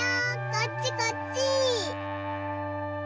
こっちこっち！